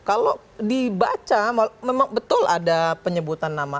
kalau dibaca memang betul ada penyebutannya